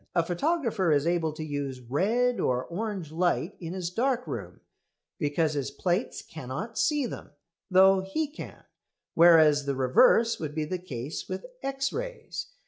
A photographer is able to use red or orange light in his dark room because his plates cannot "see" them, though he can; whereas the reverse would be the case with X rays.